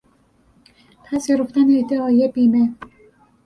پذیرفتن ادعای بیمه